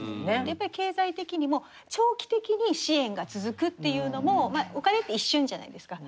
やっぱり経済的にも長期的に支援が続くっていうのもお金って一瞬じゃないですか。